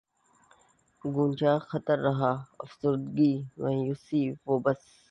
غنچۂ خاطر رہا افسردگی مانوس و بس